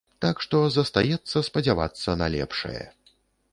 Так што застаецца спадзявацца на лепшае.